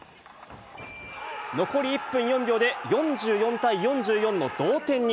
残り１分４秒で４４対４４の同点に。